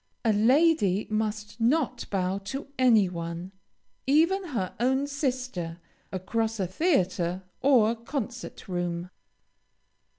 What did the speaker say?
A lady must not bow to any one, even her own sister, across a theatre or concert room.